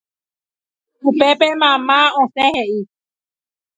Upépe mamá osẽ he'i